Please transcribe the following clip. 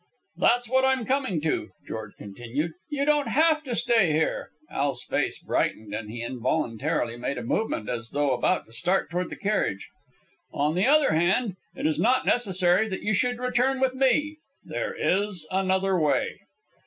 "That's what I'm coming to," George continued. "You don't have to stay here." (Al's face brightened, and he involuntarily made a movement, as though about to start toward the carriage.) "On the other hand, it is not necessary that you should return with me. There is another way."